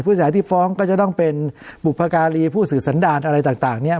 จ่ายที่ฟ้องก็จะต้องเป็นบุพการีผู้สื่อสันดารอะไรต่างเนี่ย